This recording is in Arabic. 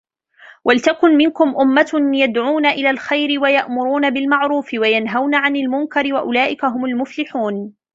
وَلْتَكُنْ مِنْكُمْ أُمَّةٌ يَدْعُونَ إِلَى الْخَيْرِ وَيَأْمُرُونَ بِالْمَعْرُوفِ وَيَنْهَوْنَ عَنِ الْمُنْكَرِ وَأُولَئِكَ هُمُ الْمُفْلِحُونَ